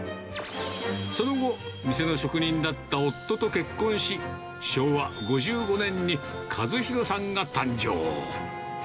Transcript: その後、店の職人だった夫と結婚し、昭和５５年に和宏さんが誕生。